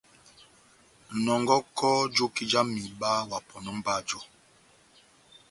Nɔngɔkɔ joki jáh mihiba wa pɔnɔ mba jɔ.